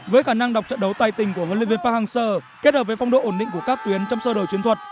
với khả năng đọc trận đấu tài tình của huấn luyện viên park hang seo kết hợp với phong độ ổn định của các tuyến trong sơ đổi chiến thuật